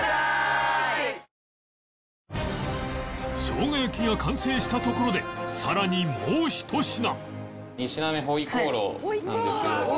生姜焼きが完成したところでさらにもう１品